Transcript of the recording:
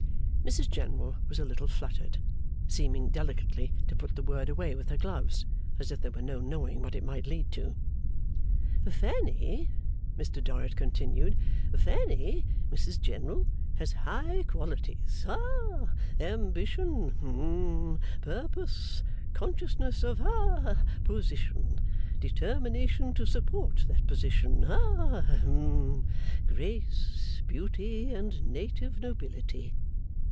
Mrs General was a little fluttered; seeming delicately to put the word away with her gloves, as if there were no knowing what it might lead to. 'Fanny,' Mr Dorrit continued. 'Fanny, Mrs General, has high qualities. Ha. Ambition hum purpose, consciousness of ha position, determination to support that position ha, hum grace, beauty, and native nobility.